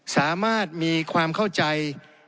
สามารถมีความเข้าใจ